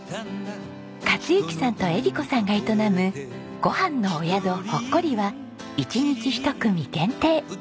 克幸さんと絵理子さんが営む「ごはんのお宿ほっこり、」は一日１組限定。